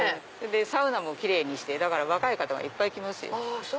サウナもキレイにしてだから若い方がいっぱい来ますよ。